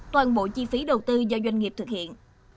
toàn bộ chi phí đầu tư do doanh nghiệp thực hiện